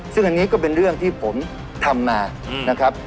ซึ่งอันนี้ก็เป็นเรื่องที่ผมทำมานะครับ